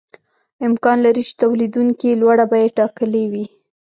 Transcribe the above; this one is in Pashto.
امکان لري چې تولیدونکي لوړه بیه ټاکلې وي